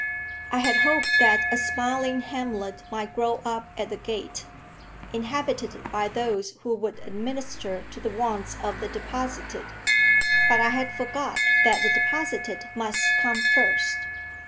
I had hoped that a smiling hamlet might grow up at the gate, inhabited by those who would administer to the wants of the deposited; but I had forgot that the deposited must come first.